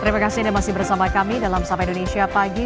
terima kasih anda masih bersama kami dalam sampah indonesia pagi